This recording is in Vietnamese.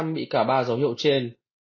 ba chín bị cả ba dấu hiệu trên